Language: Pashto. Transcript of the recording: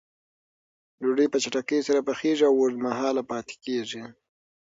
ډوډۍ په چټکۍ سره پخیږي او اوږد مهاله پاتې کېږي.